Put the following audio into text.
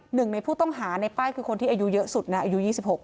หนึ่งในผู้ต้องหาในป้ายคือคนที่อายุเยอะสุดนะอายุ๒๖